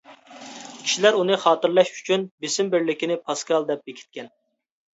كىشىلەر ئۇنى خاتىرىلەش ئۈچۈن بېسىم بىرلىكىنى «پاسكال» دەپ بېكىتكەن.